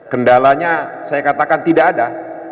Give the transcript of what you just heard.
kendalanya saya katakan tidak ada